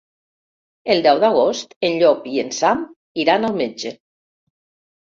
El deu d'agost en Llop i en Sam iran al metge.